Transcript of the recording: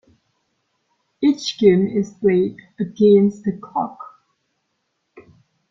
Each game is played against the clock.